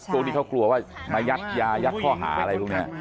พวกที่เขากลัวว่ามายัดยายัดข้อหาอะไรพวกนี้